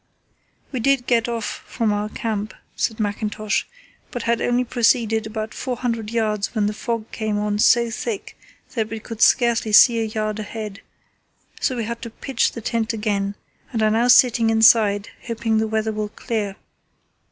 "We did get off from our camp," says Mackintosh, "but had only proceeded about four hundred yards when the fog came on so thick that we could scarcely see a yard ahead, so we had to pitch the tent again, and are now sitting inside hoping the weather will clear.